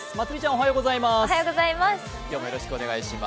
おはようございます